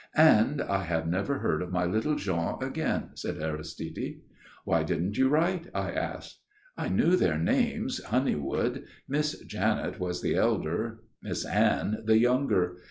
"And I have never heard of my little Jean again," said Aristide. "Why didn't you write?" I asked. "I knew their names, Honeywood; Miss Janet was the elder, Miss Anne the younger.